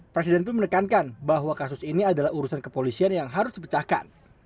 presiden pun menekankan bahwa kasus ini adalah urusan kepolisian yang harus dipecahkan